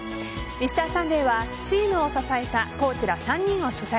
「Ｍｒ．サンデー」はチームを支えたコーチら３人を取材。